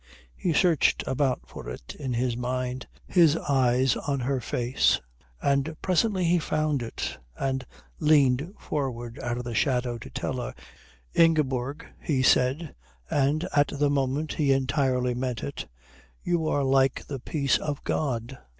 He searched about for it in his mind, his eyes on her face; and presently he found it, and leaned forward out of the shadow to tell her. "Ingeborg," he said, and at the moment he entirely meant it, "you are like the peace of God."